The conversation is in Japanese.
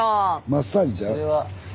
マッサージちゃう？